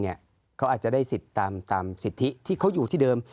เขาอาจจะได้สิทธิ์ตามสิทธิที่เขาอยู่ที่เดิม